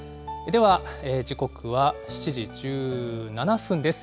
では、時刻は７時１７分です。